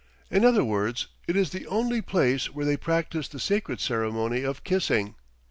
In other words it is the only place where they practice the sacred ceremony of kissing.